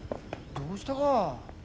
どうしたが？